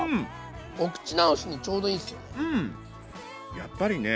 お口直しにちょうどいいんすよね。